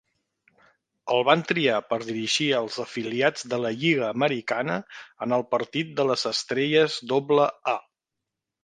El van triar per dirigir als afiliats de la Lliga Americana en el partit de les estrelles doble-A.